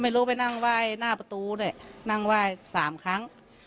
ไม่รู้ไปนั่งไหว้หน้าประตูด้วยนั่งไหว้๓ครั้ง